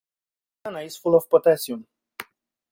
Banana is full of potassium.